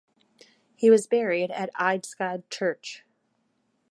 He was buried at Eidskog Church.